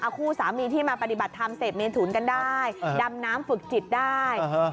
คู่สามีที่มาปฏิบัติธรรมเสพเมถุนกันได้ดำน้ำฝึกจิตได้